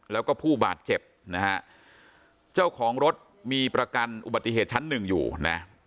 แล้วก็ผู้บาดเจ็บนะฮะเจ้าของรถมีประกันอุบัติเหตุชั้นหนึ่งอยู่นะ